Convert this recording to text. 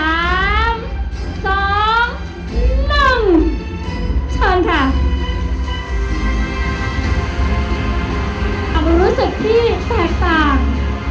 เอาความรู้สึกที่แตกต่าง